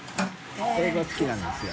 英語好きなんですよ。